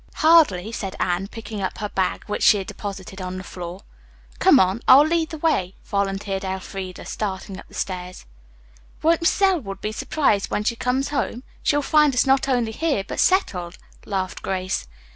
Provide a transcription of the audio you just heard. "Hardly," said Anne, picking up her bag, which she had deposited on the floor. "Come on, I'll lead the way," volunteered Elfreda, starting up the stairs. "Won't Mrs. Elwood be surprised when she comes home? She'll find us not only here, but settled," laughed Grace.